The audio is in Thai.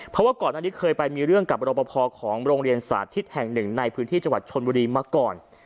เพราะว่าก่อนอันนี้เคยไปมีเรื่องกับรอปภของโรงเรียนสาธิตแห่งหนึ่งในพื้นที่จังหวัดชนบุรีมาก่อน